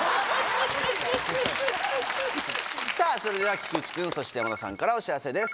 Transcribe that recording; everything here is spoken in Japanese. さぁそれでは菊池君そして山田さんからお知らせです。